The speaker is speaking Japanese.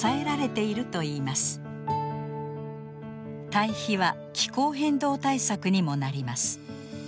堆肥は気候変動対策にもなります。